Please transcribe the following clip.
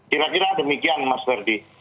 kira kira demikian mas ferdi